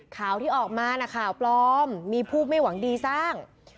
ข่าวที่ออกมานะข่าวปลอมมีผู้ไม่หวังดีสร้าง